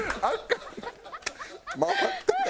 回ってた。